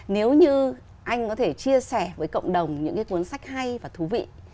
nếu như anh có thể chia sẻ với cộng đồng những cái cuốn sách hay và thú vị